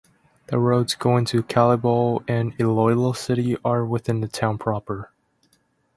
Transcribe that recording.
The roads going to Kalibo and Iloilo City are within the town proper.